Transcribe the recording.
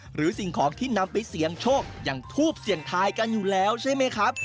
สิ่งของที่นำไปเสี่ยงโชคอย่างทูบเสี่ยงทายกันอยู่แล้วใช่ไหมครับ